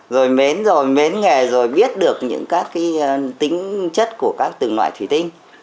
rồi mến rồi mến nghề rồi biết được những các cái tính chất của các từng loại thủy tinh